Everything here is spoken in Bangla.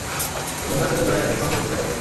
একজন ডাক্তারের দয়া এবং সহানুভূতি থাকা উচিৎ।